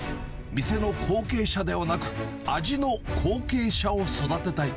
店の後継者ではなく、味の後継者を育てたいと。